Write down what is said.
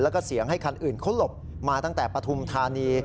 แล้วก็เสียงให้คันอื่นเขาหลบมาตั้งแต่ปฐุมธานี